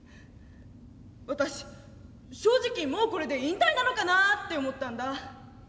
私正直もうこれで引退なのかなって思ったんだ。